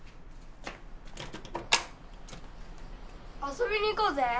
遊びに行こうぜ！